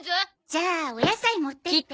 じゃあお野菜持ってって。